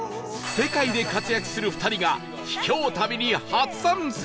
世界で活躍する２人が秘境旅に初参戦